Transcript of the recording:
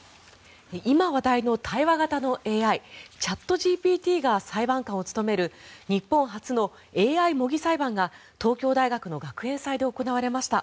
今、話題の対話型のＡＩチャットＧＰＴが裁判官を務める日本初のＡＩ模擬裁判が東京大学の学園祭で行われました。